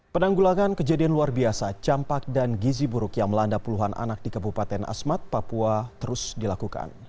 penanggulangan kejadian luar biasa campak dan gizi buruk yang melanda puluhan anak di kabupaten asmat papua terus dilakukan